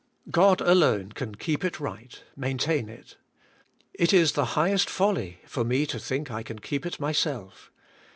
God, alone, can keep it right, maintain it. It is the highest folly for me to think I can keep it myself.